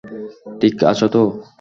ঠিক আছ তো?